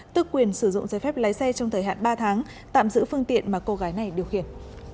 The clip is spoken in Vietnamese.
tức quyền sử dụng giấy phép lái xe trong thời hạn ba tháng tạm giữ phương tiện mà cô gái này điều khiển